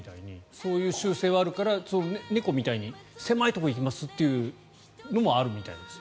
そういう習性があるから猫みたいに狭いところに行きますというのもあるみたいですよ。